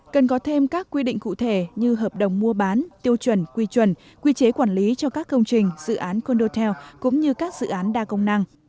cần có thêm các quy định cụ thể như hợp đồng mua bán tiêu chuẩn quy chuẩn quy chế quản lý cho các công trình dự án condotel cũng như các dự án đa công năng